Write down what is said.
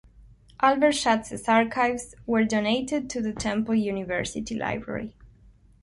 Albert Schatz's archives were donated to the Temple University Library.